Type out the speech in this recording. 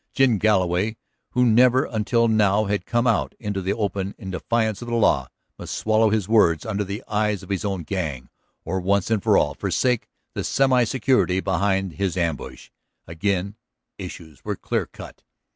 Jim Galloway, who never until now had come out into the open in defiance of the law, must swallow his words under the eyes of his own gang, or once and for all forsake the semi security behind his ambush. Again issues were clear cut.